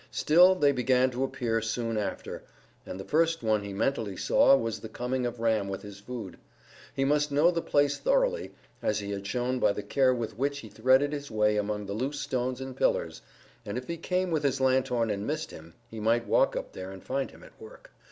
Still they began to appear soon after, and the first one he mentally saw was the coming of Ram with his food. He must know the place thoroughly, as he had shown by the care with which he threaded his way among the loose stones and pillars, and if he came with his lanthorn and missed him, he might walk up there and find him at work.